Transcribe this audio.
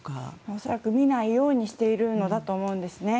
おそらく見ないようにしているんだと思います。